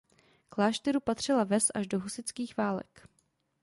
Klášteru patřila ves až do husitských válek.